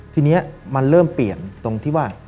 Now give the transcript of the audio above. ทีนี้มันเริ่มเปลี่ยนตรงที่ว่า